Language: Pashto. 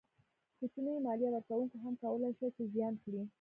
کوچنیو مالیه ورکوونکو هم کولای شوای چې زیان کړي.